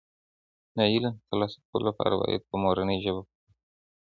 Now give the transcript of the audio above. د علم د ترلاسه کولو لپاره باید په مورنۍ ژبه پوه شو.